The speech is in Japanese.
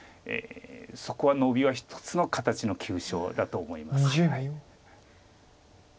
そこはノビは一つの形の急所だと思います。